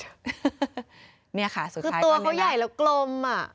คือตัวเขาใหญ่แล้วกลม